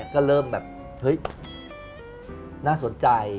ก็เริ่มแบบเฮ้ยน่าสนใจ